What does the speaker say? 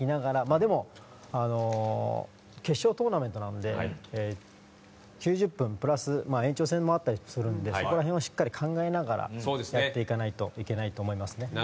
でも、決勝トーナメントなので９０分プラス延長戦もあったりするのでそこら辺はしっかり考えながらやっていかないといけないと思いますね。